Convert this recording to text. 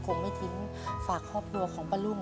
คงไม่ทิ้งฝากครอบครัวของป้ารุ่ง